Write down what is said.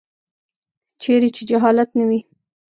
چیرې چې جهالت نه وي.